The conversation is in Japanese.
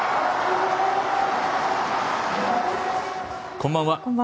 こんばんは。